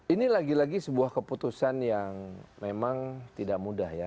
ini lagi lagi sebuah keputusan yang memang tidak mudah ya